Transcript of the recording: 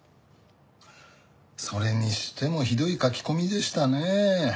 それにしてもひどい書き込みでしたね。